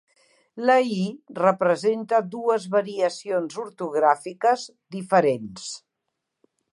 La i representa dues variacions ortogràfiques diferents.